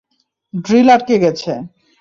Drill আটকে গেছে।